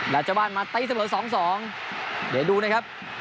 แล้วเจ้าบ้านมาตีเสมอ๒๒เดี๋ยวดูนะครับ